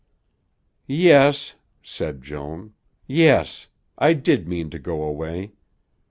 "Yes," said Joan, "yes. I did mean to go away.